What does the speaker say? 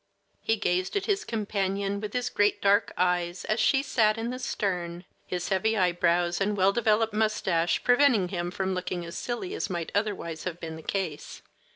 He gazed at his companion with his great dark eyes as she sat in the stern, his heavy eyebrows and well developed mustache preventing him from looking as silly as might otherwise have been the case.